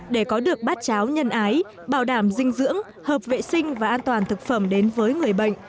để có được bát cháo nhân ái bảo đảm dinh dưỡng hợp vệ sinh và an toàn thực phẩm đến với người bệnh